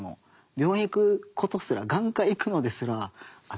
病院行くことすら眼科行くのですらあっ